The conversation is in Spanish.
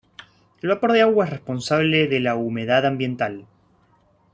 El vapor de agua es responsable de la humedad ambiental.